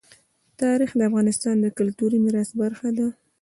تاریخ د افغانستان د کلتوري میراث برخه ده.